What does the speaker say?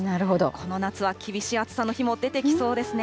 この夏は厳しい暑さの日も出てきそうですね。